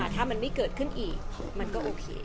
ถ้ามันไม่เกิดขึ้นอีกมันก็โอเค